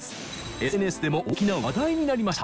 ＳＮＳでも大きな話題になりました。